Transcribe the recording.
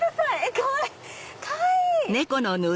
かわいい！